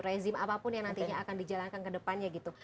rezim apapun yang nantinya akan dijalankan ke depannya gitu